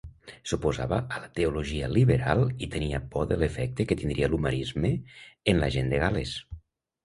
S'oposava a la teologia liberal i tenia por de l'efecte que tindria l'humanisme en la gent de Gal·les.